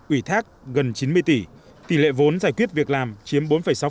khác gần chín mươi tỷ tỷ lệ vốn giải quyết việc làm chiếm bốn sáu